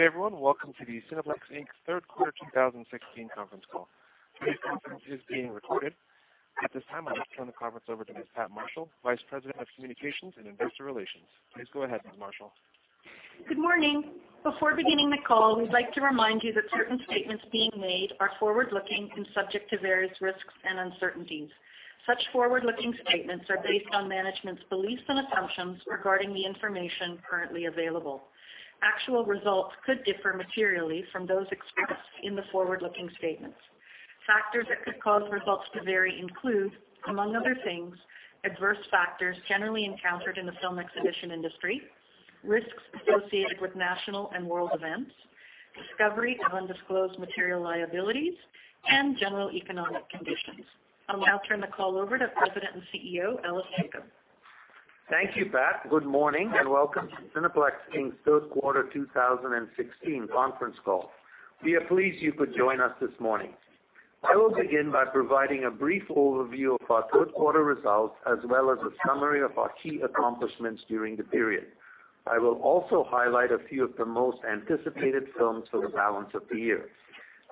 Good everyone. Welcome to Cineplex Inc.'s third quarter 2016 conference call. Today's conference is being recorded. At this time, I'll now turn the conference over to Ms. Pat Marshall, Vice President of Communications and Investor Relations. Please go ahead, Ms. Marshall. Good morning. Before beginning the call, we'd like to remind you that certain statements being made are forward-looking and subject to various risks and uncertainties. Such forward-looking statements are based on management's beliefs and assumptions regarding the information currently available. Actual results could differ materially from those expressed in the forward-looking statements. Factors that could cause results to vary include, among other things, adverse factors generally encountered in the film exhibition industry, risks associated with national and world events, discovery of undisclosed material liabilities, and general economic conditions. I'll now turn the call over to President and CEO, Ellis Jacob. Thank you, Pat. Good morning and welcome to Cineplex Inc.'s third quarter 2016 conference call. We are pleased you could join us this morning. I will begin by providing a brief overview of our third quarter results, as well as a summary of our key accomplishments during the period. I will also highlight a few of the most anticipated films for the balance of the year.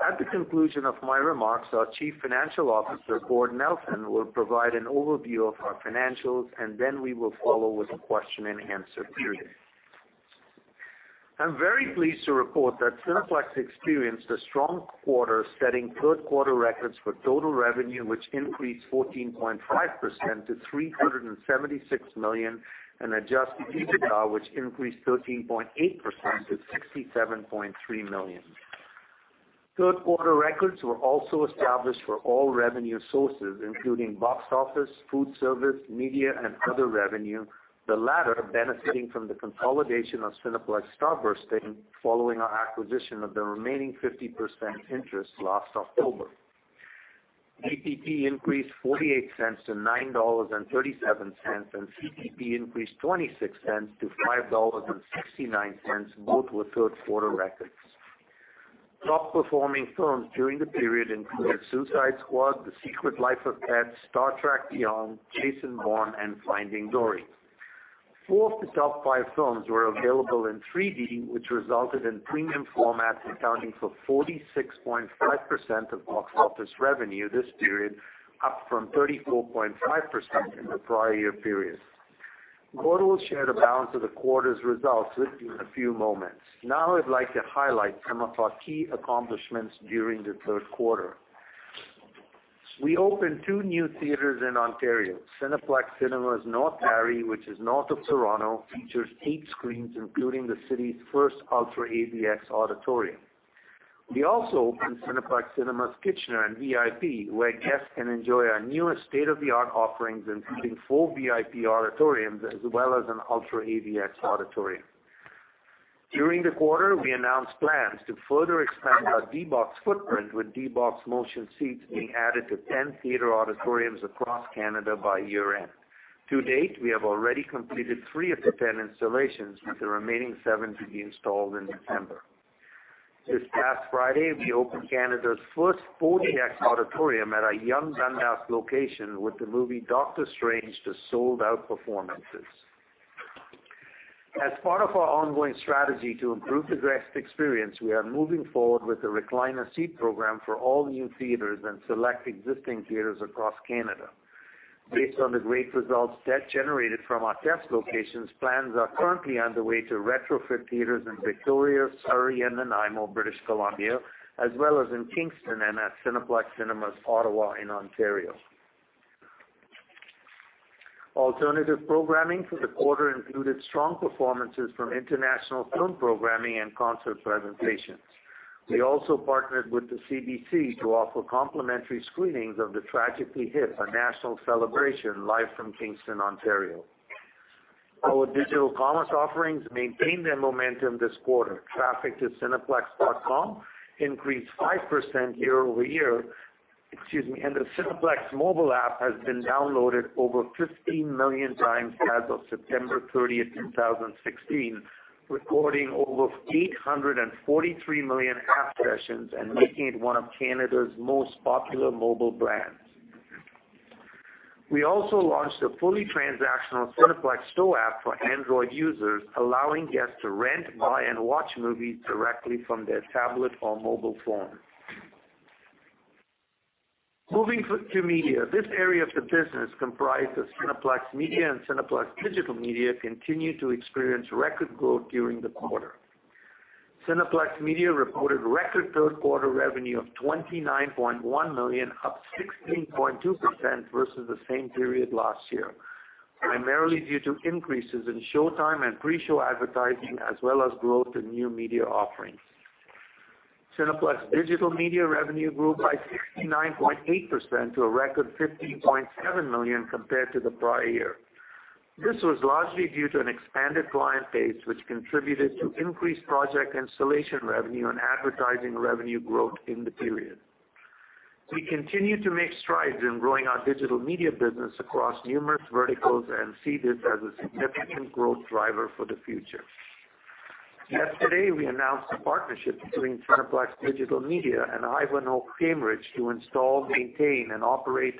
At the conclusion of my remarks, our Chief Financial Officer, Gordon Nelson, will provide an overview of our financials, and we will follow with a question and answer period. I'm very pleased to report that Cineplex experienced a strong quarter setting third quarter records for total revenue, which increased 14.5% to 376 million, and adjusted EBITDA, which increased 13.8% to 67.3 million. Third quarter records were also established for all revenue sources, including box office, food service, media, and other revenue, the latter benefiting from the consolidation of Cineplex Starburst Inc., following our acquisition of the remaining 50% interest last October. ATP increased 0.48 to 9.37 dollars, and CPP increased 0.26 to 5.69 dollars, both were third-quarter records. Top-performing films during the period included "Suicide Squad," "The Secret Life of Pets," "Star Trek: Beyond," "Jason Bourne," and "Finding Dory." Four of the top five films were available in 3D, which resulted in premium formats accounting for 46.5% of box office revenue this period, up from 34.5% in the prior-year period. Gordon will share the balance of the quarter's results with you in a few moments. Now, I'd like to highlight some of our key accomplishments during the third quarter. We opened two new theaters in Ontario, Cineplex Cinemas North Barrie, which is north of Toronto, features eight screens, including the city's first UltraAVX auditorium. We also opened Cineplex Cinemas Kitchener and VIP, where guests can enjoy our newest state-of-the-art offerings including four VIP auditoriums, as well as an UltraAVX auditorium. During the quarter, we announced plans to further expand our D-BOX footprint with D-BOX motion seats being added to 10 theater auditoriums across Canada by year-end. To date, we have already completed three of the 10 installations, with the remaining seven to be installed in December. This past Friday, we opened Canada's first 4DX auditorium at our Yonge Dundas location with the movie "Doctor Strange" to sold-out performances. As part of our ongoing strategy to improve the guest experience, we are moving forward with the recliner seat program for all new theaters and select existing theaters across Canada. Based on the great results that generated from our test locations, plans are currently underway to retrofit theaters in Victoria, Surrey, and Nanaimo, British Columbia, as well as in Kingston and at Cineplex Cinemas Ottawa in Ontario. Alternative programming for the quarter included strong performances from international film programming and concert presentations. We also partnered with the CBC to offer complimentary screenings of The Tragically Hip, a national celebration live from Kingston, Ontario. Our digital commerce offerings maintained their momentum this quarter. Traffic to cineplex.com increased 5% year-over-year. Excuse me, the Cineplex mobile app has been downloaded over 15 million times as of September 30, 2016, recording over 843 million app sessions and making it one of Canada's most popular mobile brands. We also launched a fully transactional Cineplex Store app for Android users, allowing guests to rent, buy, and watch movies directly from their tablet or mobile phone. Moving to media. This area of the business comprised of Cineplex Media and Cineplex Digital Media, continue to experience record growth during the quarter. Cineplex Media reported record third-quarter revenue of 29.1 million, up 16.2% versus the same period last year, primarily due to increases in showtime and pre-show advertising, as well as growth in new media offerings. Cineplex Digital Media revenue grew by 69.8% to a record 15.7 million compared to the prior year. This was largely due to an expanded client base, which contributed to increased project installation revenue and advertising revenue growth in the period. We continue to make strides in growing our digital media business across numerous verticals and see this as a significant growth driver for the future. Yesterday, we announced a partnership between Cineplex Digital Media and Ivanhoé Cambridge to install, maintain, and operate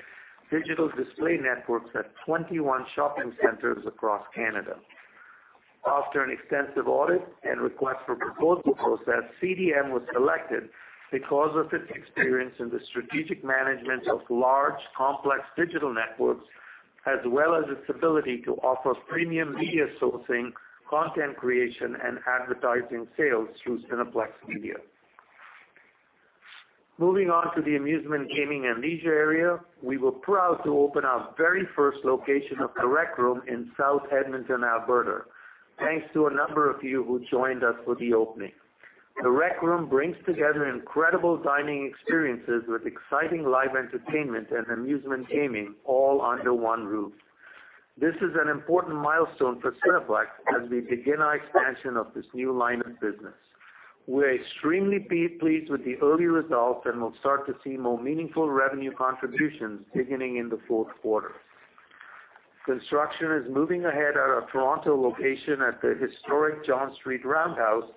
digital display networks at 21 shopping centers across Canada. After an extensive audit and request for proposal process, CDM was selected because of its experience in the strategic management of large, complex digital networks, as well as its ability to offer premium media sourcing, content creation, and advertising sales through Cineplex Media. Moving on to the amusement, gaming, and leisure area, we were proud to open our very first location of The Rec Room in South Edmonton, Alberta. Thanks to a number of you who joined us for the opening. The Rec Room brings together incredible dining experiences with exciting live entertainment and amusement gaming all under one roof. This is an important milestone for Cineplex as we begin our expansion of this new line of business. We're extremely pleased with the early results, and we'll start to see more meaningful revenue contributions beginning in the fourth quarter. Construction is moving ahead at our Toronto location at the historic John Street Roundhouse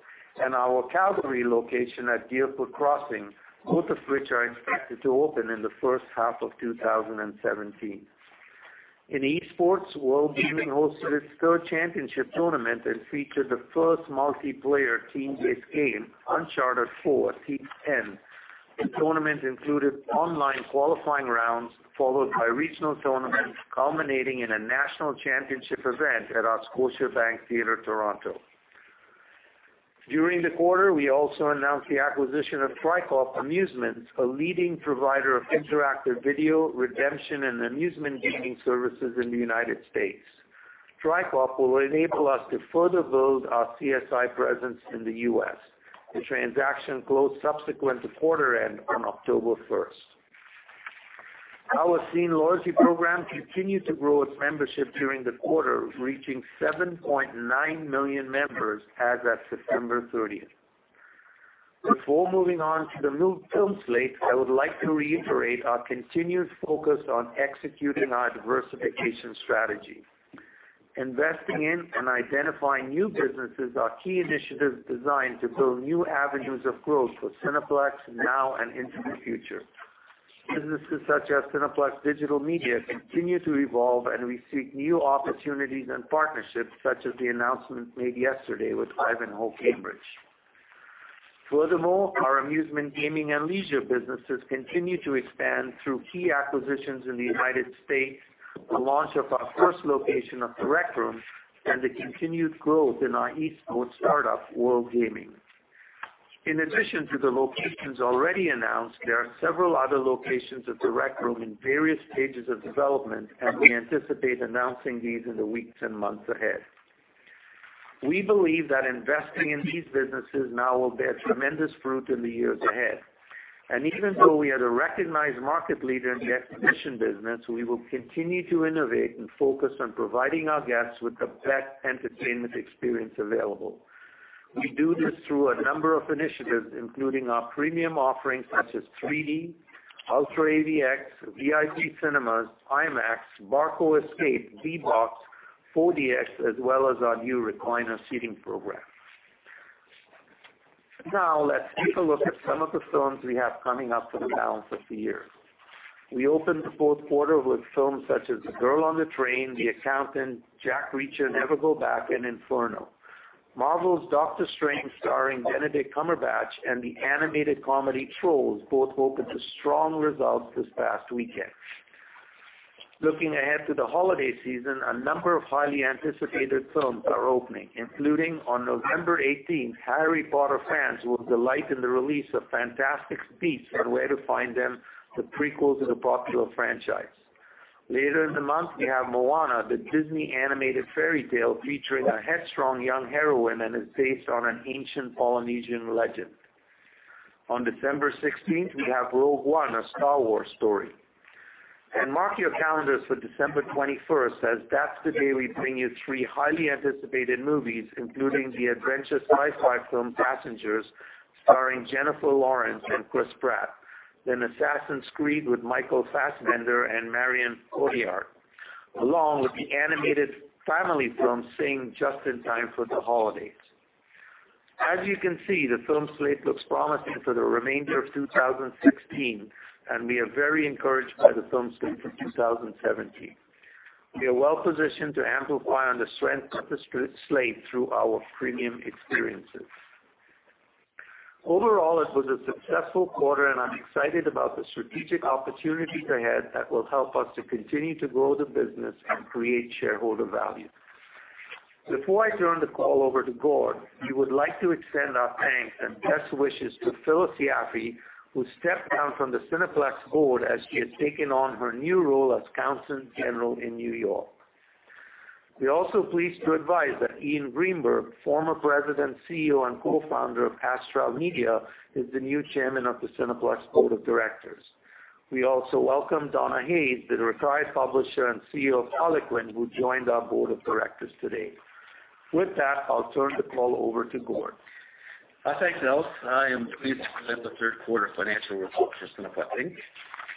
and our Calgary location at Deerfoot Crossing, both of which are expected to open in the first half of 2017. In esports, WorldGaming hosted its third championship tournament that featured the first multiplayer team-based game, "Uncharted 4: A Thief's End." The tournament included online qualifying rounds followed by regional tournaments, culminating in a national championship event at our Scotiabank Theatre Toronto. During the quarter, we also announced the acquisition of Tricorp Amusements, a leading provider of interactive video, redemption, and amusement gaming services in the U.S. Tricorp will enable us to further build our CSI presence in the U.S. The transaction closed subsequent to quarter end on October 1st. Our SCENE loyalty program continued to grow its membership during the quarter, reaching 7.9 million members as at September 30th. Before moving on to the new film slate, I would like to reiterate our continued focus on executing our diversification strategy. Investing in and identifying new businesses are key initiatives designed to build new avenues of growth for Cineplex now and into the future. Businesses such as Cineplex Digital Media continue to evolve, and we seek new opportunities and partnerships, such as the announcement made yesterday with Ivanhoé Cambridge. Our amusement, gaming, and leisure businesses continue to expand through key acquisitions in the U.S., the launch of our first location of The Rec Room, and the continued growth in our esports startup, WorldGaming. In addition to the locations already announced, there are several other locations of The Rec Room in various stages of development, and we anticipate announcing these in the weeks and months ahead. We believe that investing in these businesses now will bear tremendous fruit in the years ahead. Even though we are the recognized market leader in the exhibition business, we will continue to innovate and focus on providing our guests with the best entertainment experience available. We do this through a number of initiatives, including our premium offerings such as 3D, UltraAVX, VIP Cinemas, IMAX, Barco Escape, D-BOX, 4DX, as well as our new recliner seating program. Let's take a look at some of the films we have coming up for the balance of the year. We open the fourth quarter with films such as "The Girl on the Train," "The Accountant," "Jack Reacher: Never Go Back," and "Inferno." Marvel's "Doctor Strange" starring Benedict Cumberbatch and the animated comedy "Trolls" both opened to strong results this past weekend. Looking ahead to the holiday season, a number of highly anticipated films are opening, including on November 18, Harry Potter fans will delight in the release of "Fantastic Beasts and Where to Find Them," the prequel to the popular franchise. Later in the month, we have "Moana," the Disney animated fairy tale featuring a headstrong young heroine, and is based on an ancient Polynesian legend. On December 16th, we have "Rogue One: A Star Wars Story." Mark your calendars for December 21st, as that's the day we bring you three highly anticipated movies, including the adventure-sci-fi film "Passengers" starring Jennifer Lawrence and Chris Pratt, "Assassin's Creed" with Michael Fassbender and Marion Cotillard, along with the animated family film "Sing" just in time for the holidays. As you can see, the film slate looks promising for the remainder of 2016. We are very encouraged by the film slate for 2017. We are well-positioned to amplify on the strength of the slate through our premium experiences. Overall, it was a successful quarter. I'm excited about the strategic opportunities ahead that will help us to continue to grow the business and create shareholder value. Before I turn the call over to Gord, we would like to extend our thanks and best wishes to Phyllis Yaffe, who stepped down from the Cineplex board as she has taken on her new role as consul general in New York. We're also pleased to advise that Ian Greenberg, former president, CEO, and co-founder of Astral Media, is the new chairman of the Cineplex Board of Directors. We also welcome Donna Hayes, the retired publisher and CEO of Harlequin, who joined our board of directors today. With that, I'll turn the call over to Gord. Thanks, Ellis. I am pleased to present the third quarter financial results for Cineplex Inc.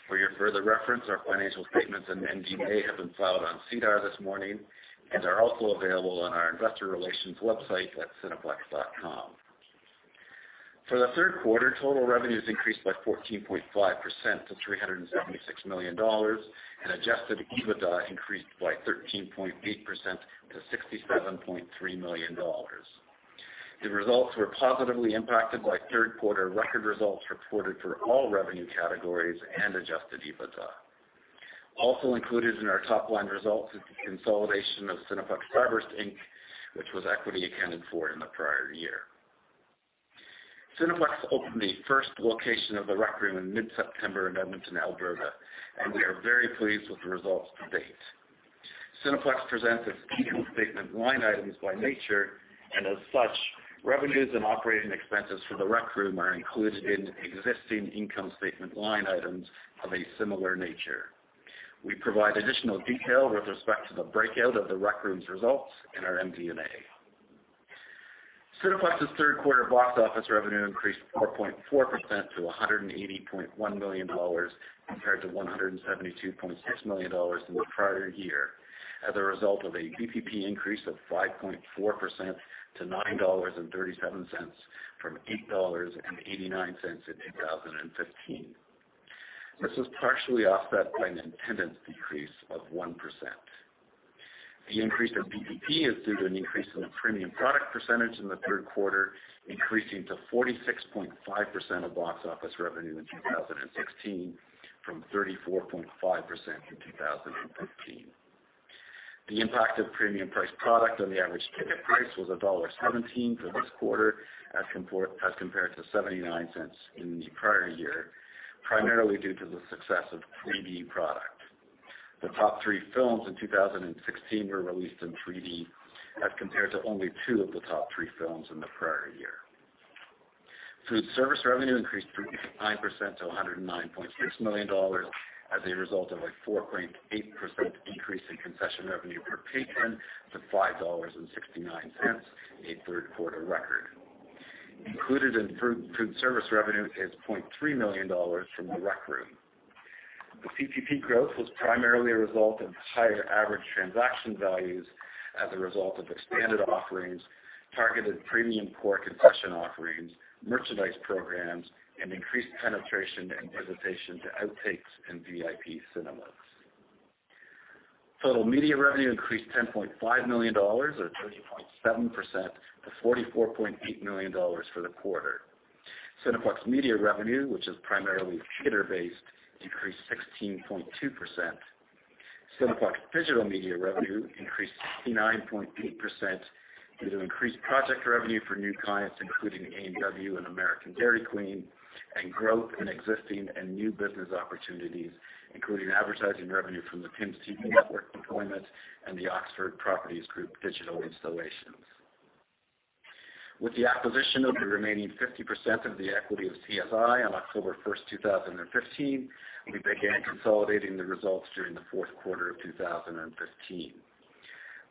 For your further reference, our financial statements and MD&A have been filed on SEDAR this morning and are also available on our investor relations website at cineplex.com. For the third quarter, total revenues increased by 14.5% to 376 million dollars. Adjusted EBITDA increased by 13.8% to 67.3 million dollars. The results were positively impacted by third quarter record results reported for all revenue categories and adjusted EBITDA. Also included in our top-line results is the consolidation of Cineplex Starburst Inc., which was equity accounted for in the prior year. Cineplex opened the first location of The Rec Room in mid-September in Edmonton, Alberta. We are very pleased with the results to date. Cineplex presents its income statement line items by nature. As such, revenues and operating expenses for The Rec Room are included in existing income statement line items of a similar nature. We provide additional detail with respect to the breakout of The Rec Room's results in our MD&A. Cineplex's third quarter box office revenue increased 4.4% to 180.1 million dollars, compared to 172.6 million dollars in the prior year, as a result of a VPP increase of 5.4% to 9.37 dollars from 8.89 dollars in 2015. This was partially offset by an attendance decrease of 1%. The increase of VPP is due to an increase in the premium product percentage in the third quarter, increasing to 46.5% of box office revenue in 2016 from 34.5% in 2015. The impact of premium priced product on the average ticket price was dollar 1.17 for this quarter as compared to 0.79 in the prior year, primarily due to the success of 3D product. The top three films in 2016 were released in 3D as compared to only two of the top three films in the prior year. Food service revenue increased 39% to 109.6 million dollars as a result of a 4.8% increase in concession revenue per patron to 5.69 dollars, a third quarter record. Included in food service revenue is 0.3 million dollars from The Rec Room. The CPP growth was primarily a result of higher average transaction values as a result of expanded offerings, targeted premium core concession offerings, merchandise programs, and increased penetration and visitation to Outtakes and VIP Cinemas. Total media revenue increased 10.5 million dollars, or 30.7%, to 44.8 million dollars for the quarter. Cineplex Media revenue, which is primarily theater-based, increased 16.2%. Cineplex Digital Media revenue increased 69.8% due to increased project revenue for new clients, including A&W and American Dairy Queen, and growth in existing and new business opportunities, including advertising revenue from the [PIMS] TV network deployment and the Oxford Properties Group digital installations. With the acquisition of the remaining 50% of the equity of CSI on October 1st, 2015, we began consolidating the results during the fourth quarter of 2015.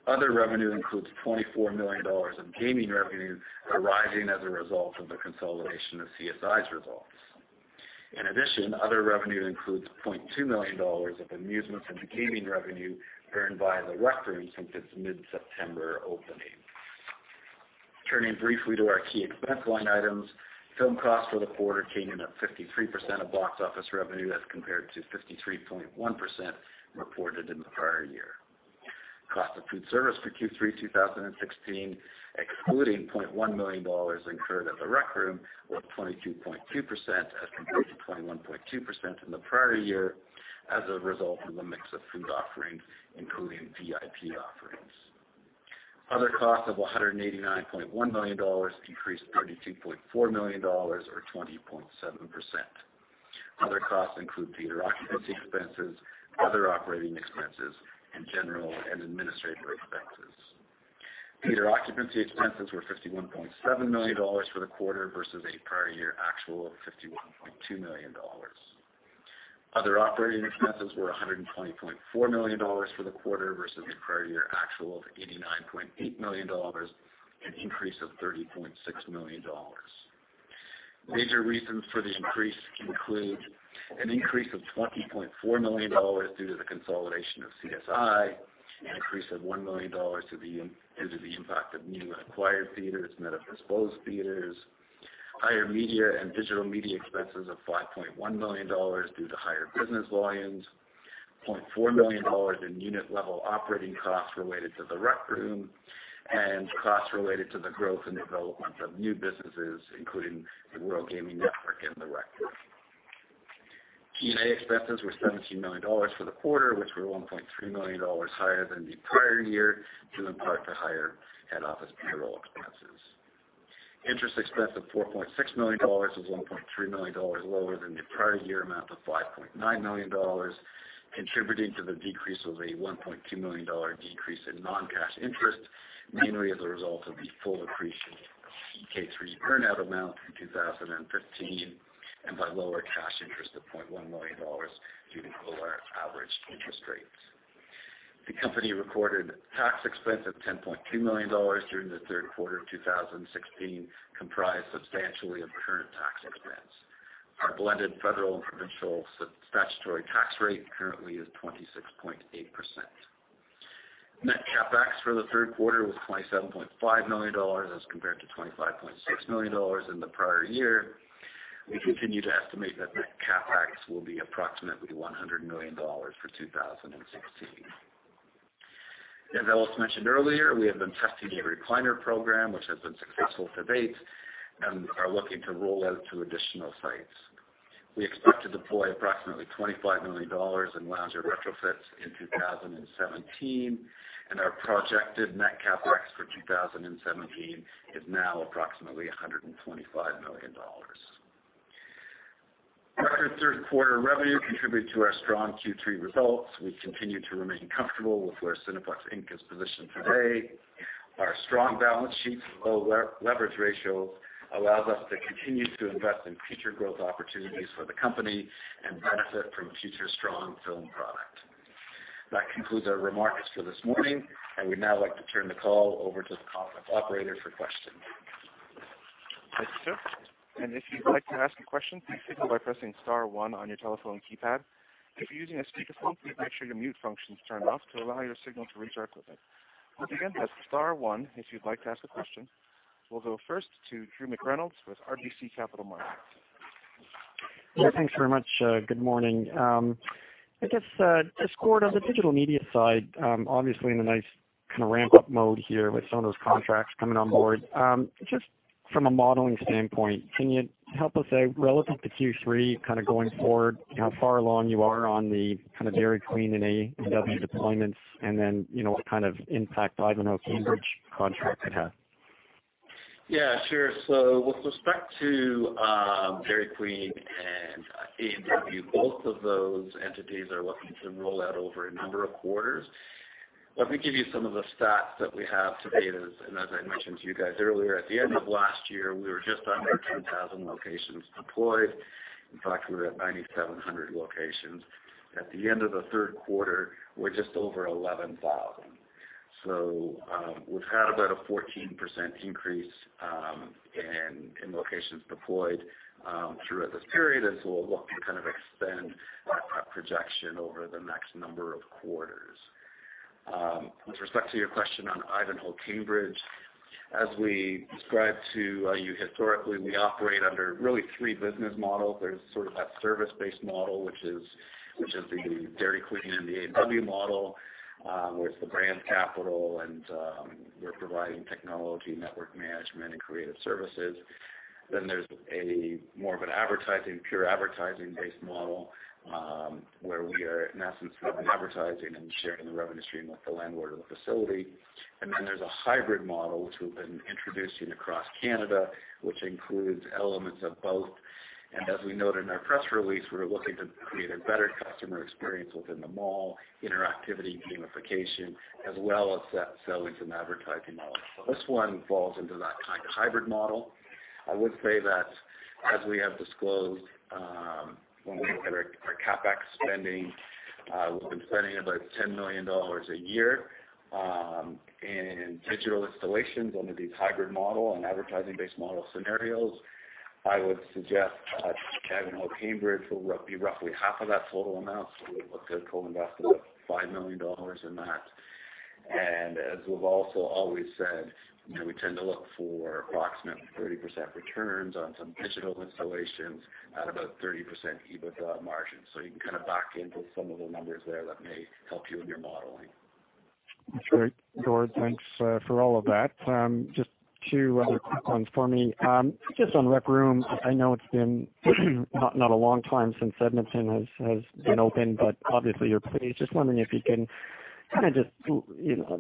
Other revenue includes 24 million dollars in gaming revenue arising as a result of the consolidation of CSI's results. In addition, other revenue includes 0.2 million dollars of amusement and gaming revenue earned by The Rec Room since its mid-September opening. Turning briefly to our key expense line items, film cost for the quarter came in at 53% of box office revenue as compared to 53.1% reported in the prior year. Cost of food service for Q3 2016, excluding 0.1 million dollars incurred at The Rec Room, was 22.2% as compared to 21.2% in the prior year as a result of the mix of food offerings, including VIP offerings. Other costs of 189.1 million dollars decreased 32.4 million dollars, or 20.7%. Other costs include theater occupancy expenses, other operating expenses, and general and administrative expenses. Theater occupancy expenses were 51.7 million dollars for the quarter versus a prior year actual of 51.2 million dollars. Other operating expenses were 120.4 million dollars for the quarter versus a prior year actual of 89.8 million dollars, an increase of 30.6 million dollars. Major reasons for the increase include an increase of 20.4 million dollars due to the consolidation of CSI, an increase of 1 million dollars due to the impact of new acquired theaters, net of disposed theaters, higher media and digital media expenses of 5.1 million dollars due to higher business volumes, 0.4 million dollars in unit-level operating costs related to The Rec Room, and costs related to the growth and development of new businesses, including the WorldGaming Network and The Rec Room. G&A expenses were 17 million dollars for the quarter, which were 1.3 million dollars higher than the prior year, due in part to higher head office payroll expenses. Interest expense of 4.6 million dollars was 1.3 million dollars lower than the prior year amount of 5.9 million dollars, contributing to the decrease of a 1.2 million dollar decrease in non-cash interest, mainly as a result of the full accretion of EK3 burnout amount in 2015, and by lower cash interest of 0.1 million dollars due to lower average interest rates. The company recorded tax expense of 10.2 million dollars during the third quarter of 2016, comprised substantially of current. Our blended federal and provincial statutory tax rate currently is 26.8%. Net CapEx for the third quarter was 27.5 million dollars as compared to 25.6 million dollars in the prior year. We continue to estimate that net CapEx will be approximately 100 million dollars for 2016. As Ellis mentioned earlier, we have been testing a recliner program, which has been successful to date, and are looking to roll out to additional sites. We expect to deploy approximately 25 million dollars in lounger retrofits in 2017, and our projected net CapEx for 2017 is now approximately CAD 125 million. Record third quarter revenue contributed to our strong Q3 results. We continue to remain comfortable with where Cineplex Inc. is positioned today. Our strong balance sheet and low leverage ratios allows us to continue to invest in future growth opportunities for the company and benefit from future strong film product. That concludes our remarks for this morning. I would now like to turn the call over to the conference operator for questions. Thank you, sir. If you'd like to ask a question, please signal by pressing star one on your telephone keypad. If you're using a speakerphone, please make sure your mute function is turned off to allow your signal to reach our equipment. Again, that's star one if you'd like to ask a question. We'll go first to Drew McReynolds with RBC Capital Markets. Yeah, thanks very much. Good morning. I guess, just Gord, on the digital media side, obviously in a nice kind of ramp-up mode here with some of those contracts coming on board. Just from a modeling standpoint, can you help us say, relative to Q3, kind of going forward, how far along you are on the kind of Dairy Queen and A&W deployments, what kind of impact the Ivanhoé Cambridge contract could have? Yeah, sure. With respect to Dairy Queen and A&W, both of those entities are looking to roll out over a number of quarters. Let me give you some of the stats that we have to date, and as I mentioned to you guys earlier, at the end of last year, we were just under 10,000 locations deployed. In fact, we were at 9,700 locations. At the end of the third quarter, we're just over 11,000. We've had about a 14% increase in locations deployed throughout this period, as we'll look to kind of extend that projection over the next number of quarters. With respect to your question on Ivanhoé Cambridge, as we described to you historically, we operate under really three business models. There's sort of that service-based model, which is the Dairy Queen and the A&W model, where it's the brand capital and we're providing technology, network management, and creative services. There's more of an advertising, pure advertising-based model, where we are in essence doing advertising and sharing the revenue stream with the landlord of the facility. There's a hybrid model, which we've been introducing across Canada, which includes elements of both. As we noted in our press release, we're looking to create a better customer experience within the mall, interactivity, gamification, as well as selling some advertising models. This one falls into that kind of hybrid model. I would say that as we have disclosed when we look at our CapEx spending, we've been spending about 10 million dollars a year in digital installations under these hybrid model and advertising-based model scenarios. I would suggest that Ivanhoé Cambridge will be roughly half of that total amount, so we're looking at co-investing about 5 million dollars in that. As we've also always said, we tend to look for approximate 30% returns on some digital installations at about 30% EBITDA margins. You can kind of back into some of the numbers there that may help you with your modeling. That's great, Gord. Thanks for all of that. Just two other quick ones for me. Just on The Rec Room, I know it's been not a long time since Edmonton has been open, but obviously you're pleased. Just wondering if you can kind of just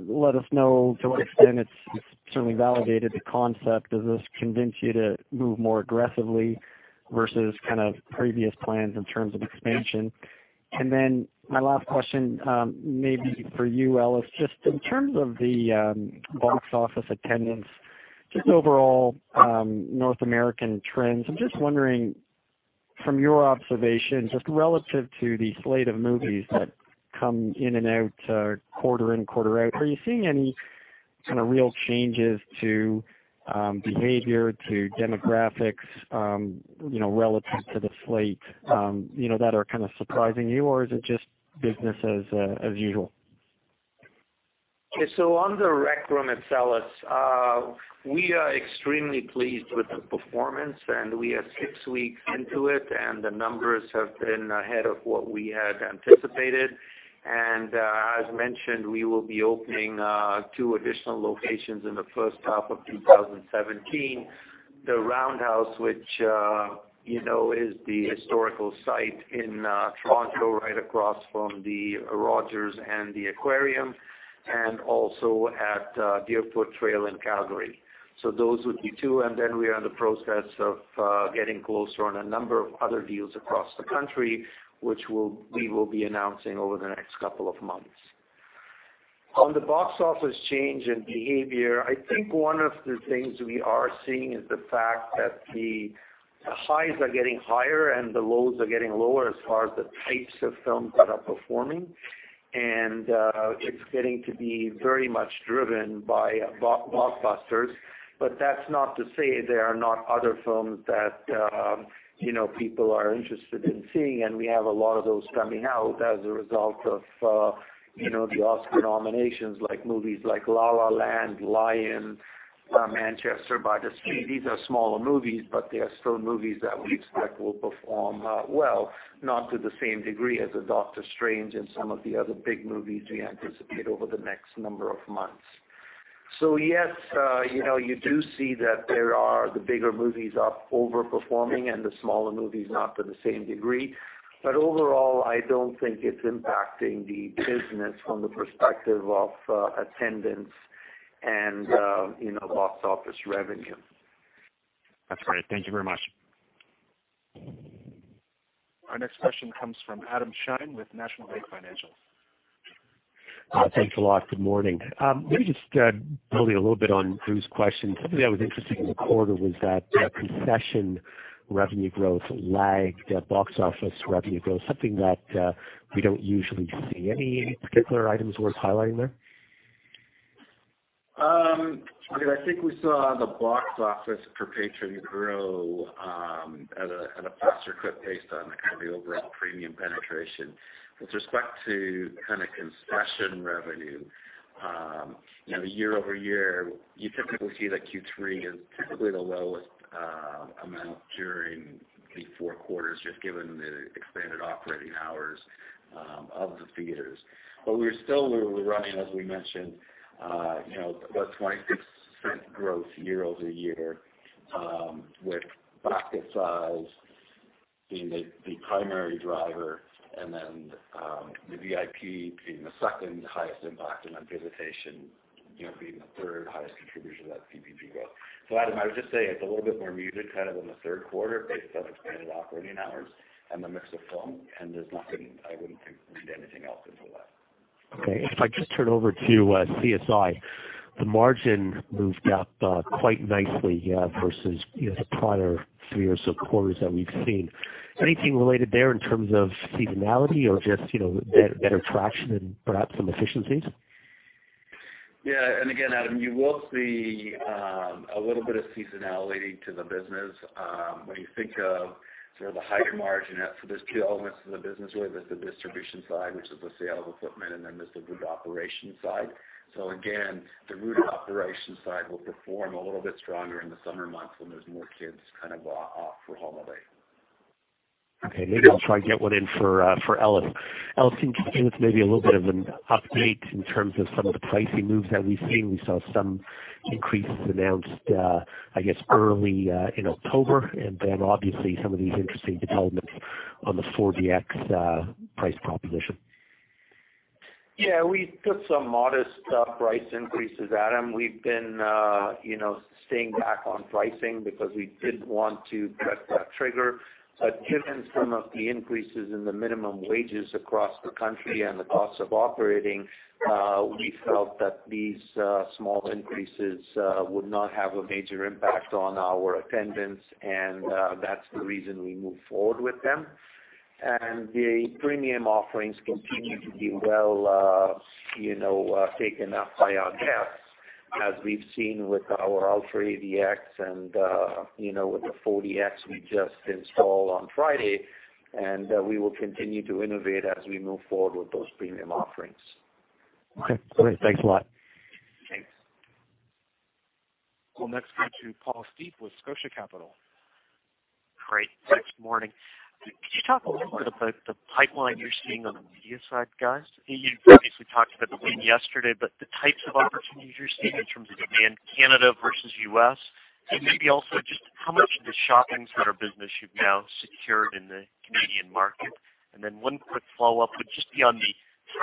let us know to what extent it's certainly validated the concept. Does this convince you to move more aggressively versus kind of previous plans in terms of expansion? My last question may be for you, Ellis. Just in terms of the box office attendance, just overall North American trends. I'm just wondering from your observation, just relative to the slate of movies that come in and out, quarter in, quarter out, are you seeing any kind of real changes to behavior, to demographics relative to the slate that are kind of surprising you, or is it just business as usual? On The Rec Room, it's Ellis. We are extremely pleased with the performance. We are six weeks into it, and the numbers have been ahead of what we had anticipated. As mentioned, we will be opening two additional locations in the first half of 2017. The Roundhouse, which you know is the historical site in Toronto right across from the Rogers and the Aquarium, and also at Deerfoot Trail in Calgary. Those would be two. We are in the process of getting closer on a number of other deals across the country, which we will be announcing over the next couple of months. On the box office change in behavior, I think one of the things we are seeing is the fact that the highs are getting higher and the lows are getting lower as far as the types of films that are performing. It's getting to be very much driven by blockbusters. That's not to say there are not other films that people are interested in seeing, and we have a lot of those coming out as a result of the Oscar nominations, movies like "La La Land," "Lion," "Manchester by the Sea." These are smaller movies, but they are still movies that we expect will perform well, not to the same degree as a "Doctor Strange" and some of the other big movies we anticipate over the next number of months. Yes, you do see that there are the bigger movies over-performing and the smaller movies not to the same degree. Overall, I don't think it's impacting the business from the perspective of attendance and box office revenue. That's great. Thank you very much. Our next question comes from Adam Shine with National Bank Financial. Thanks a lot. Good morning. Maybe just building a little bit on Drew's question. Something I was interested in the quarter was that concession revenue growth lagged box office revenue growth, something that we don't usually see. Any particular items worth highlighting there? I think we saw the box office per patron grow at a faster clip based on the overall premium penetration. With respect to concession revenue, year-over-year, you typically see that Q3 is typically the lowest amount during the four quarters, just given the expanded operating hours of the theaters. We're still running, as we mentioned, about 26% growth year-over-year, with basket size being the primary driver and then the VIP being the second highest impact and then visitation being the third highest contributor to that CPP growth. Adam, I would just say it's a little bit more muted in the third quarter based on expanded operating hours and the mix of film, and I wouldn't read anything else into that. Okay. If I just turn over to CSI, the margin moved up quite nicely versus the prior three or so quarters that we've seen. Anything related there in terms of seasonality or just better traction and perhaps some efficiencies? Yeah. Again, Adam, you will see a little bit of seasonality to the business. When you think of the higher margin for those two elements of the business, where there's the distribution side, which is the sale of equipment, and then there's the route operation side. Again, the route operation side will perform a little bit stronger in the summer months when there's more kids off for holiday. Okay. Maybe I'll try to get one in for Ellis. Ellis, can you give us maybe a little bit of an update in terms of some of the pricing moves that we've seen? We saw some increases announced, I guess, early in October, and then obviously some of these interesting developments on the 4DX price proposition. Yeah, we put some modest price increases, Adam. We've been staying back on pricing because we didn't want to press that trigger. Given some of the increases in the minimum wages across the country and the cost of operating, we felt that these small increases would not have a major impact on our attendance, and that's the reason we moved forward with them. The premium offerings continue to be well taken up by our guests, as we've seen with our UltraAVX and with the 4DX we just installed on Friday. We will continue to innovate as we move forward with those premium offerings. Okay, great. Thanks a lot. Thanks. We'll next go to Paul Steep with Scotia Capital. Great. Thanks. Morning. Could you talk a little bit about the pipeline you're seeing on the media side, guys? You previously talked about the win yesterday, but the types of opportunities you're seeing in terms of demand, Canada versus U.S., and maybe also just how much of the shopping center business you've now secured in the Canadian market. Then one quick follow-up would just be on the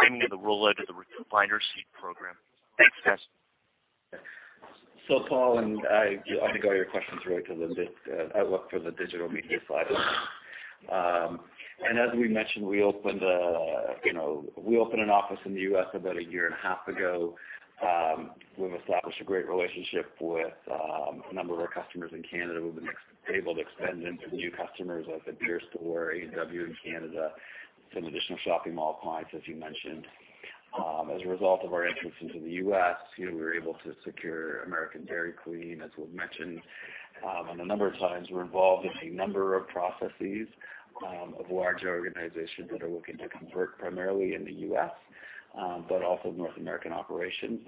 timing of the rollout of the recliner seat program. Thanks, guys. Paul, I think all your questions relate to for the digital media side. As we mentioned, we opened an office in the U.S. about a year and a half ago. We've established a great relationship with a number of our customers in Canada. We've been able to expand into new customers like The Beer Store, A&W in Canada, some additional shopping mall clients, as you mentioned. As a result of our entrance into the U.S., we were able to secure American Dairy Queen, as we've mentioned. A number of times, we're involved in a number of processes of larger organizations that are looking to convert primarily in the U.S., but also North American operations.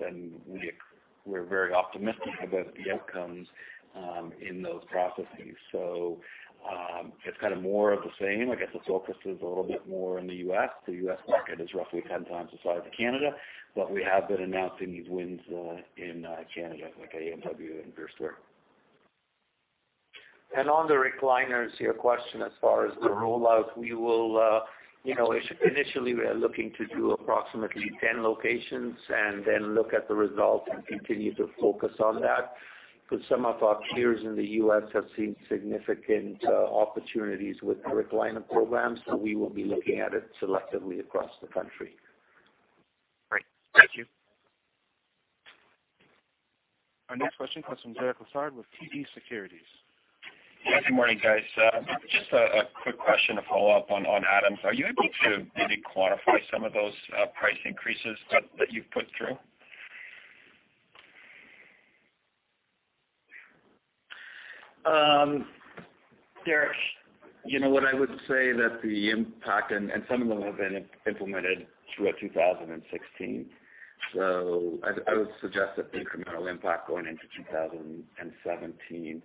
We're very optimistic about the outcomes in those processes. It's kind of more of the same. I guess the focus is a little bit more in the U.S. The U.S. market is roughly 10 times the size of Canada, we have been announcing these wins in Canada, like A&W and Beer Store. On the recliners, your question as far as the rollout, initially, we are looking to do approximately 10 locations, then look at the results and continue to focus on that. Some of our peers in the U.S. have seen significant opportunities with the recliner program, we will be looking at it selectively across the country. Our next question comes from Derek Lessard with TD Securities. Good morning, guys. Just a quick question to follow up on Adam. Are you able to maybe quantify some of those price increases that you've put through? Derek, what I would say that the impact, some of them have been implemented throughout 2016. I would suggest that the incremental impact going into 2017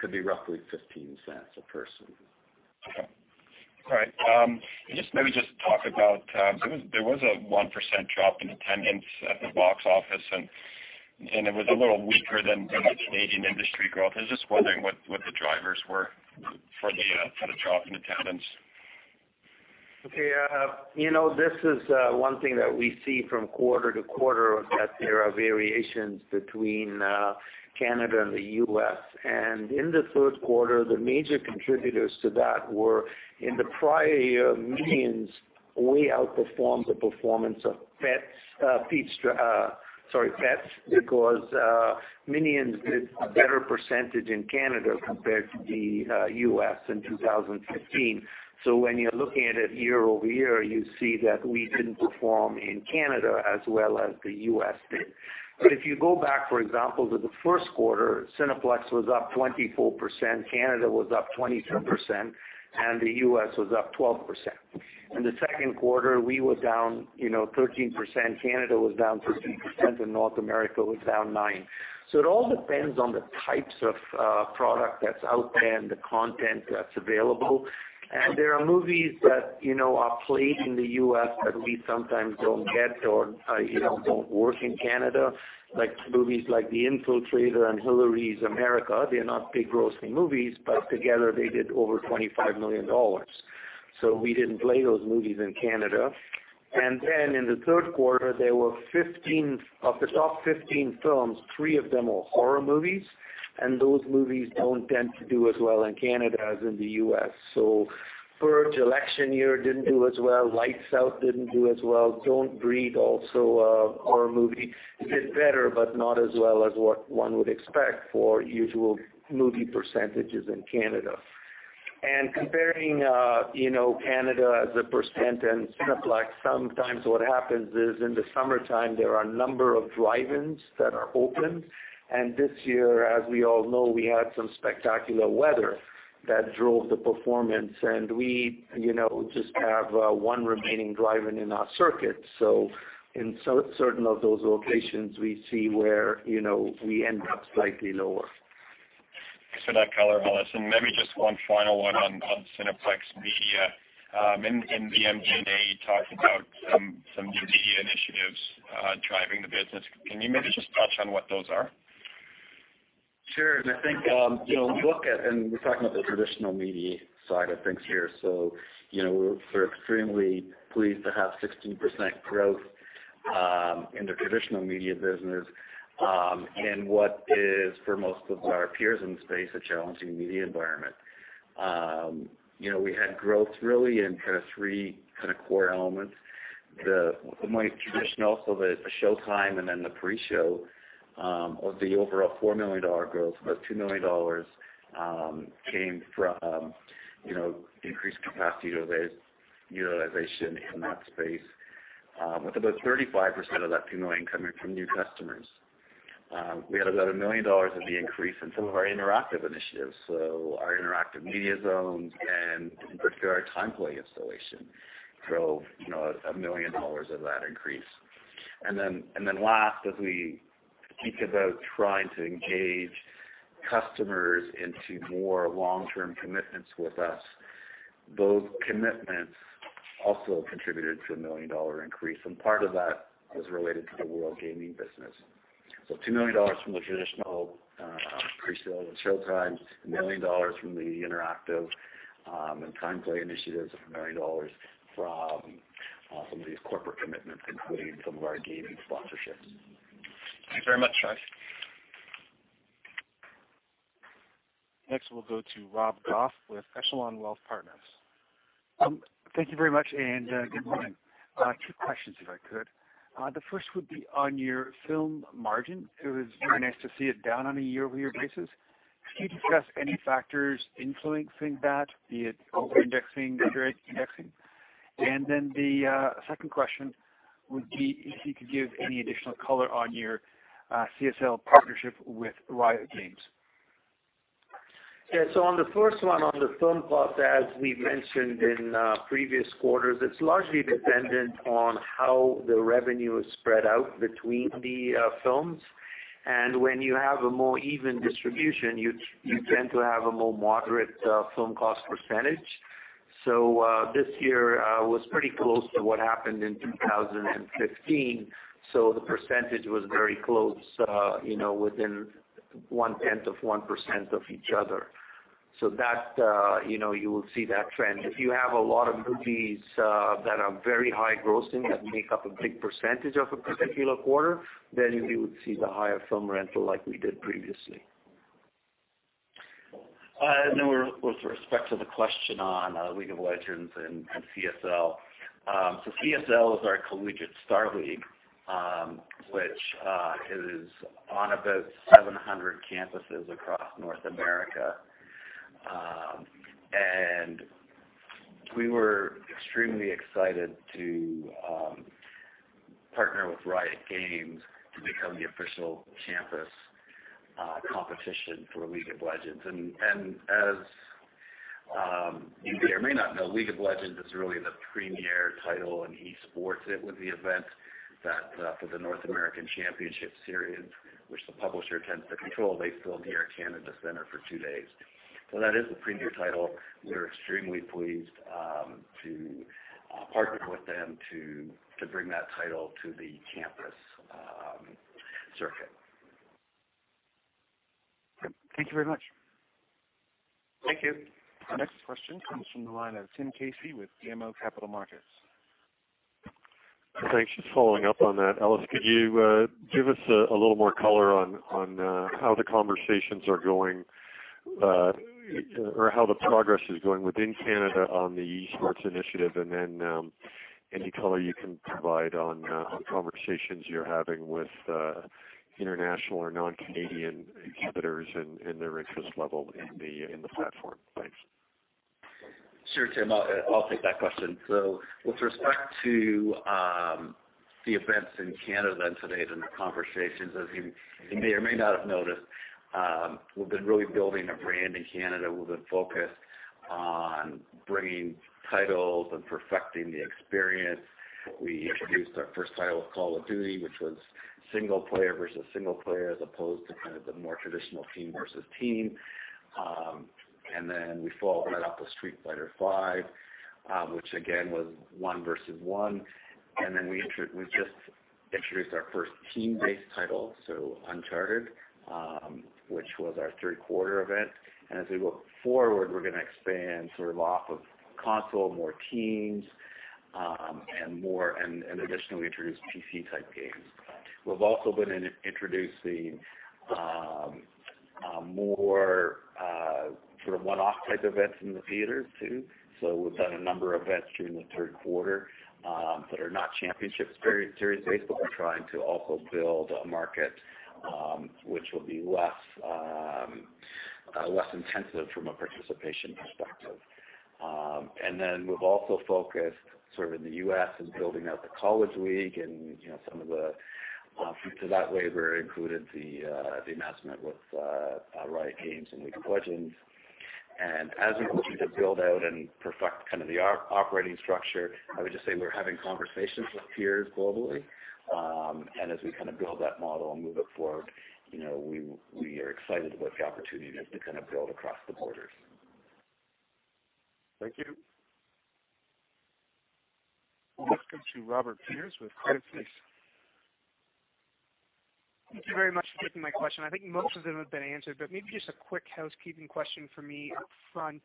could be roughly 0.15 a person. Okay. All right. There was a 1% drop in attendance at the box office. It was a little weaker than the Canadian industry growth. I was just wondering what the drivers were for the drop in attendance. Okay. This is one thing that we see from quarter to quarter, that there are variations between Canada and the U.S. In the third quarter, the major contributors to that were in the prior year, "Minions" way outperformed the performance of "Pets" because "Minions" did a better percentage in Canada compared to the U.S. in 2015. When you're looking at it year-over-year, you see that we didn't perform in Canada as well as the U.S. did. If you go back, for example, to the first quarter, Cineplex was up 24%, Canada was up 22%, and the U.S. was up 12%. In the second quarter, we were down 13%, Canada was down 15%, and North America was down 9%. It all depends on the types of product that's out there and the content that's available. There are movies that are played in the U.S. that we sometimes don't get or don't work in Canada, like movies like "The Infiltrator" and "Hillary's America." They're not big grossing movies, but together they did over 25 million dollars. We didn't play those movies in Canada. In the third quarter, of the top 15 films, three of them are horror movies, and those movies don't tend to do as well in Canada as in the U.S. "The Purge: Election Year" didn't do as well. "Lights Out" didn't do as well. "Don't Breathe" also a horror movie, did better, but not as well as what one would expect for usual movie percentages in Canada. Comparing Canada as a percentage and Cineplex, sometimes what happens is in the summertime, there are a number of drive-ins that are open. This year, as we all know, we had some spectacular weather that drove the performance. We just have one remaining drive-in in our circuit. In certain of those locations, we see where we end up slightly lower. Thanks for that color, Ellis. Maybe just one final one on Cineplex Media. In the MD&A, you talked about some new media initiatives driving the business. Can you maybe just touch on what those are? Sure. I think, we look at, and we're talking about the traditional media side of things here. We're extremely pleased to have 16% growth in the traditional media business in what is, for most of our peers in the space, a challenging media environment. We had growth really in three core elements. The most traditional, the showtime and then the pre-show, of the overall 4 million dollar growth, about 2 million dollars came from increased capacity utilization in that space. With about 35% of that two million coming from new customers. We had about 1 million dollars of the increase in some of our interactive initiatives. Our interactive media zones and in particular our TimePlay installation drove 1 million dollars of that increase. Last, as we think about trying to engage customers into more long-term commitments with us, those commitments also contributed to a 1 million dollar increase, and part of that was related to the WorldGaming business. 2 million dollars from the traditional pre-sale and showtime, 1 million dollars from the interactive and TimePlay initiatives, 1 million dollars from some of these corporate commitments, including some of our gaming sponsorships. Thanks very much, guys. Next, we'll go to Rob Goff with Echelon Wealth Partners. Thank you very much, and good morning. Two questions, if I could. The first would be on your film margin. It was very nice to see it down on a year-over-year basis. Could you discuss any factors influencing that, be it over-indexing, under-indexing? The second question would be if you could give any additional color on your CSL partnership with Riot Games. Yeah. On the first one, on the film cost, as we've mentioned in previous quarters, it's largely dependent on how the revenue is spread out between the films. When you have a more even distribution, you tend to have a more moderate film cost percentage. This year was pretty close to what happened in 2015. The percentage was very close, within one tenth of 1% of each other. You will see that trend. If you have a lot of movies that are very high grossing, that make up a big percentage of a particular quarter, then you would see the higher film rental like we did previously. With respect to the question on League of Legends and CSL. CSL is our Collegiate StarLeague, which is on about 700 campuses across North America. We were extremely excited to partner with Riot Games to become the official campus competition for League of Legends. As you may or may not know, League of Legends is really the premier title in esports. It was the event that for the North American championship series, which the publisher tends to control, they filled Air Canada Centre for two days. That is the premier title. We're extremely pleased to partner with them to bring that title to the campus circuit. Thank you very much. Thank you. Our next question comes from the line of Tim Casey with BMO Capital Markets. Thanks. Just following up on that. Ellis, could you give us a little more color on how the conversations are going, or how the progress is going within Canada on the esports initiative, and then any color you can provide on conversations you're having with international or non-Canadian exhibitors and their interest level in the platform? Thanks. Sure Tim, I'll take that question. With respect to the events in Canada to date and the conversations, as you may or may not have noticed, we've been really building a brand in Canada. We've been focused on bringing titles and perfecting the experience. We introduced our first title, Call of Duty, which was single player versus single player, as opposed to the more traditional team versus team. We followed that up with Street Fighter V, which again was one versus one. We just introduced our first team-based title, Uncharted, which was our third quarter event. As we look forward, we're going to expand off of console, more teams, and additionally introduce PC-type games. We've also been introducing more one-off type events in the theaters too. We've done a number of events during the third quarter that are not championship series-based, but we're trying to also build a market, which will be less intensive from a participation perspective. We've also focused in the U.S. in building out the College League and some of the offshoots of that wave were included the announcement with Riot Games and League of Legends. As we're looking to build out and perfect the operating structure, I would just say we're having conversations with peers globally. As we build that model and move it forward, we are excited what the opportunity is to build across the borders. Thank you. We'll next go to Robert Peters with Credit Suisse. Thank you very much for taking my question. I think most of them have been answered, but maybe just a quick housekeeping question from me up front.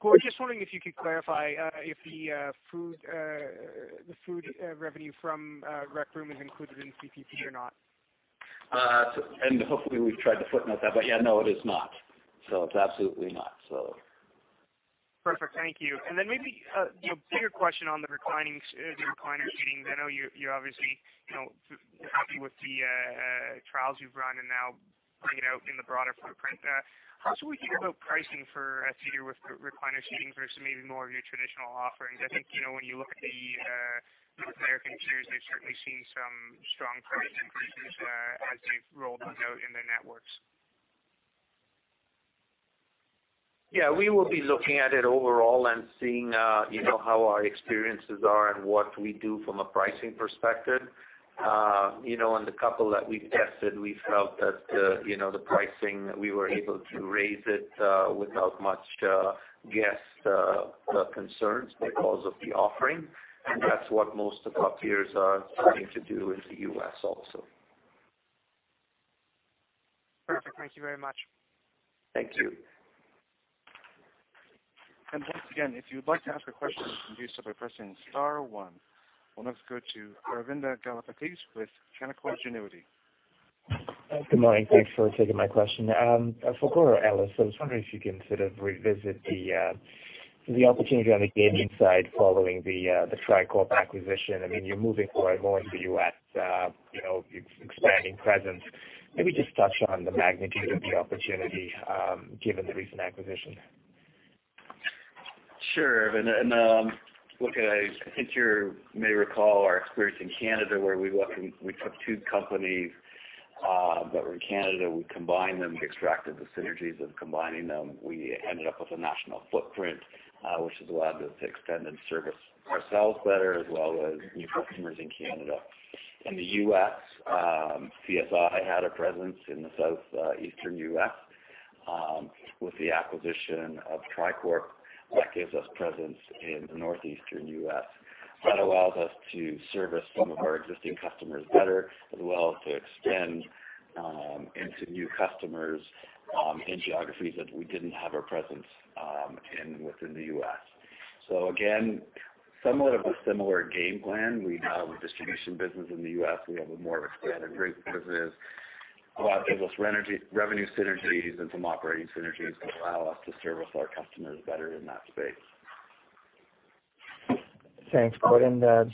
Gord, just wondering if you could clarify if the food revenue from Rec Room is included in CPP or not? Hopefully we've tried to footnote that, but yeah, no, it is not. It's absolutely not. Perfect. Thank you. Maybe a bigger question on the recliner seating. I know you're obviously happy with the trials you've run and now bringing it out in the broader footprint. How should we think about pricing for a theater with recliner seating versus maybe more of your traditional offerings? When you look at the North American peers, they've certainly seen some strong price increases as they've rolled those out in their networks. Yeah, we will be looking at it overall and seeing how our experiences are and what we do from a pricing perspective. In the couple that we've tested, we felt that the pricing, we were able to raise it without much guest concerns because of the offering. That's what most of our peers are starting to do in the U.S. also. Perfect. Thank you very much. Thank you. Once again, if you would like to ask a question, please do so by pressing star one. We'll next go to Aravinda Galappatthige with Canaccord Genuity. Good morning. Thanks for taking my question. For Gord or Ellis, I was wondering if you can sort of revisit the opportunity on the gaming side following the Tricorp acquisition. I mean, you're moving more and more into the U.S., expanding presence. Maybe just touch on the magnitude of the opportunity, given the recent acquisition. Sure, Aravinda. Look, I think you may recall our experience in Canada, where we took two companies that were in Canada. We combined them. We extracted the synergies of combining them. We ended up with a national footprint, which has allowed us to extend and service ourselves better as well as new customers in Canada. In the U.S., CSI had a presence in the southeastern U.S. With the acquisition of Tricorp, that gives us presence in the northeastern U.S. That allows us to service some of our existing customers better, as well as to extend into new customers in geographies that we didn't have a presence In within the U.S. Again, somewhat of a similar game plan. We now have a distribution business in the U.S. We have a more expanded business that gives us revenue synergies and some operating synergies that allow us to service our customers better in that space. Thanks, Gord. On the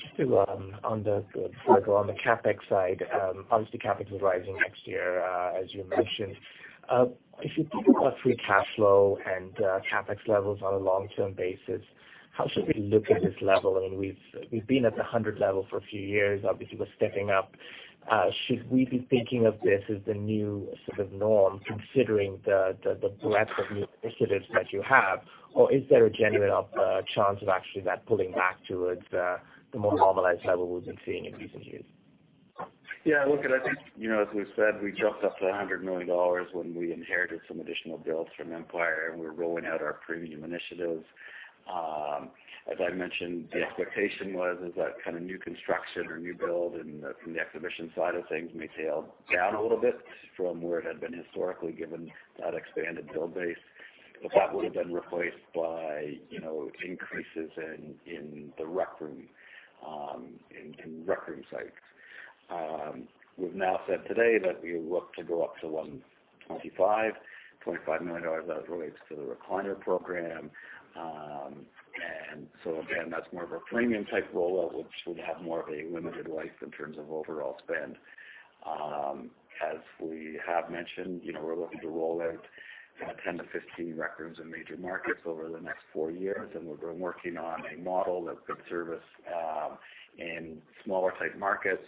CapEx side, obviously CapEx is rising next year, as you mentioned. If you think about free cash flow and CapEx levels on a long-term basis, how should we look at this level? I mean, we've been at the 100 million level for a few years. Obviously, we're stepping up. Should we be thinking of this as the new sort of norm, considering the breadth of new initiatives that you have? Or is there a genuine chance of actually that pulling back towards the more normalized level we've been seeing in recent years? I think, as we've said, we jumped up to 100 million dollars when we inherited some additional builds from Empire and we're rolling out our premium initiatives. As I mentioned, the expectation was as that kind of new construction or new build from the exhibition side of things may tail down a little bit from where it had been historically given that expanded build base. That would've been replaced by increases in Rec Room sites. We've now said today that we look to go up to 125 million dollars as it relates to the recliner program. Again, that's more of a premium-type rollout, which would have more of a limited life in terms of overall spend. As we have mentioned, we're looking to roll out 10 to 15 Rec Rooms in major markets over the next four years, and we've been working on a model that could service in smaller-type markets,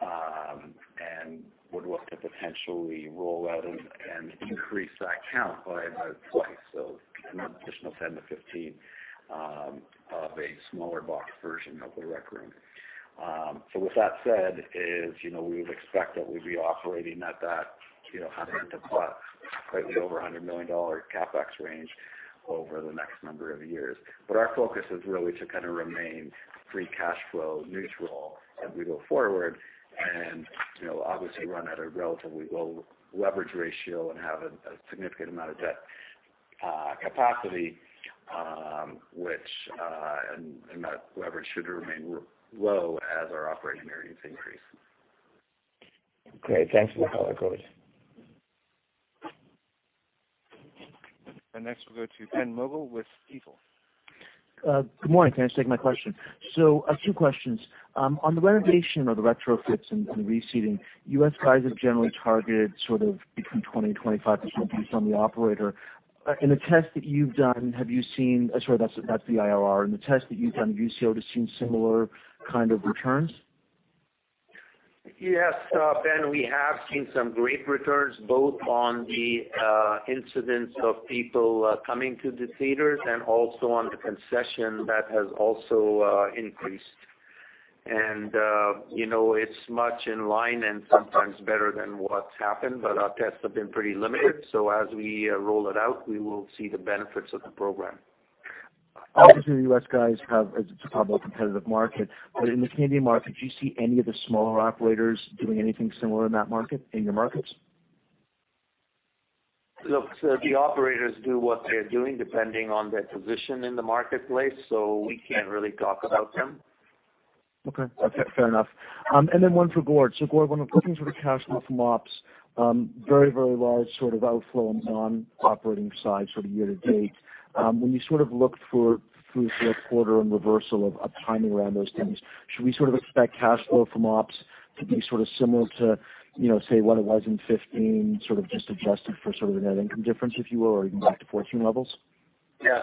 and would look to potentially roll out and increase that count by about twice. Another additional 10 to 15 of a smaller box version of the Rec Room. With that said, we would expect that we'd be operating at that 100 million to plus, slightly over 100 million dollar CapEx range over the next number of years. Our focus is really to kind of remain free cash flow neutral as we go forward and obviously run at a relatively low leverage ratio and have a significant amount of debt capacity. That leverage should remain low as our operating earnings increase. Great. Thanks for the color, Gord. Next we'll go to Ben Mogil with Stifel. Good morning. Thanks for taking my question. Two questions. On the renovation or the retrofits and the reseating, U.S. guys have generally targeted sort of between 20%-25% based on the operator. In the test that you've done, I'm sorry, that's the IRR. In the test that you've done, have you sort of seen similar kind of returns? Yes, Ben, we have seen some great returns both on the incidents of people coming to the theaters and also on the concession that has also increased. It's much in line and sometimes better than what's happened, but our tests have been pretty limited, so as we roll it out, we will see the benefits of the program. Obviously, the U.S. guys have a probably competitive market. In the Canadian market, do you see any of the smaller operators doing anything similar in that market, in your markets? Look, the operators do what they're doing depending on their position in the marketplace, so we can't really talk about them. Okay. Fair enough. Then one for Gord. Gord, when we're looking for the cash flow from ops, very large sort of outflow on non-operating side sort of year to date. When you sort of look through to the quarter and reversal of timing around those things, should we sort of expect cash flow from ops to be sort of similar to, say, what it was in 2015, sort of just adjusted for sort of a net income difference, if you will, or even back to 2014 levels? Yeah.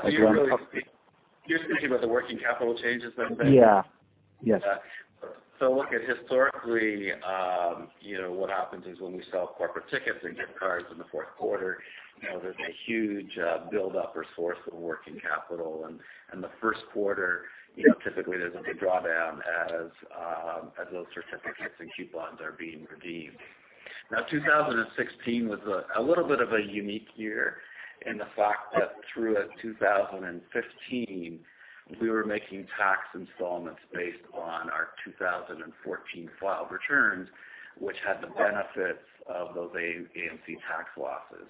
You're thinking about the working capital changes that have been- Yeah. Yes. Look, historically, what happens is when we sell corporate tickets and gift cards in the fourth quarter, there's a huge buildup or source of working capital. The first quarter, typically there's a big drawdown as those certificates and coupons are being redeemed. 2016 was a little bit of a unique year in the fact that through 2015, we were making tax installments based on our 2014 filed returns, which had the benefits of those AMC tax losses.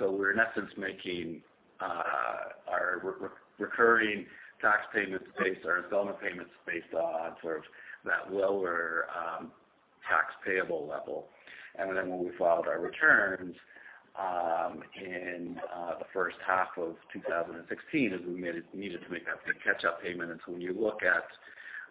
We're in essence making our recurring tax payment based, our installment payments based on sort of that lower tax payable level. Then when we filed our returns in the first half of 2016 is we needed to make that big catch-up payment. When you look at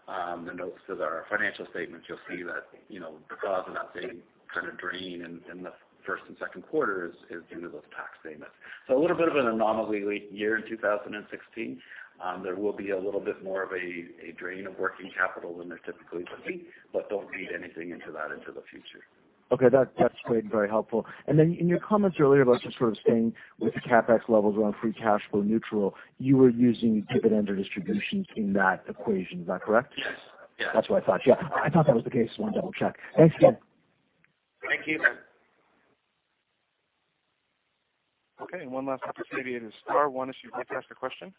the notes to our financial statement, you'll see that the cause of that big kind of drain in the first and second quarters is due to those tax payments. A little bit of an anomaly year in 2016. There will be a little bit more of a drain of working capital than there typically would be, don't read anything into that into the future. Okay. That's great. Very helpful. In your comments earlier about just sort of staying with the CapEx levels around free cash flow neutral, you were using dividend or distributions in that equation. Is that correct? Yes. That's what I thought. Yeah. I thought that was the case. Wanted to double check. Thanks again. Thank you, Ben. Okay, one last opportunity. It is star one if you'd like to ask a question.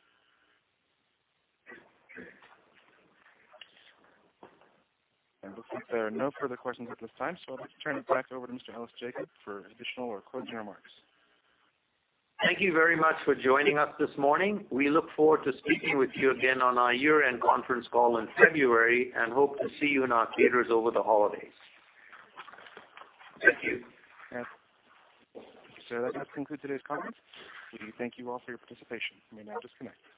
It looks like there are no further questions at this time, so I'd like to turn it back over to Mr. Ellis Jacob for additional or closing remarks. Thank you very much for joining us this morning. We look forward to speaking with you again on our year-end conference call in February and hope to see you in our theaters over the holidays. Thank you. That concludes today's conference. We thank you all for your participation. You may now disconnect.